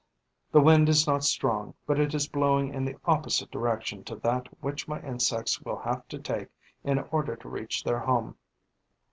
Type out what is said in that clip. The wind is not strong, but it is blowing in the opposite direction to that which my insects will have to take in order to reach their home.